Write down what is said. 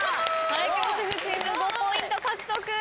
最強主婦チーム５ポイント獲得！